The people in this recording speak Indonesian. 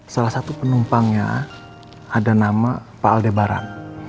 salah satu penumpangnya ada nama pak aldebaran